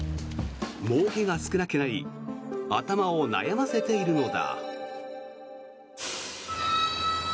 もうけが少なくなり頭を悩ませているのだ。